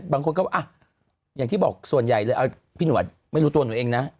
บางคนก็อย่างที่บอกส่วนใหญ่เลยพี่หนวดไม่รู้ตัวหนูเองนะ